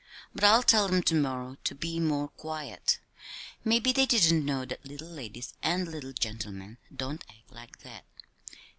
"But I'll tell 'em to morrow to be more quiet. Maybe they didn't know that little ladies and little gentlemen don't act like that."